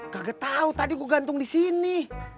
gak tau tadi gue gantung disini